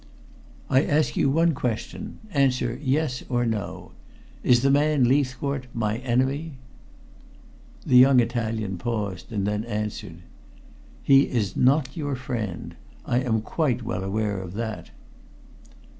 "I ask you one question. Answer yes or no. Is the man Leithcourt my enemy?" The young Italian paused, and then answered: "He is not your friend. I am quite well aware of that."